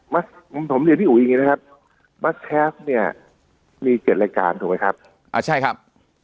มี๗รายการถูกไหมครับอ่าใช่ครับ